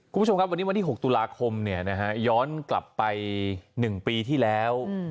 คุณผู้ชมครับวันนี้วันที่๖ตุลาคมย้อนกลับไป๑ปีที่แล้ว